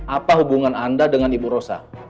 apa hubungan anda dengan ibu rosa